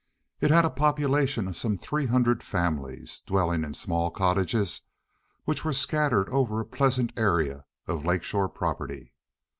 It had a population of some three hundred families, dwelling in small cottages, which were scattered over a pleasant area of lake shore property.